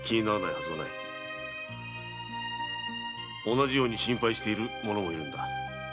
同じように心配している者もいるのだ。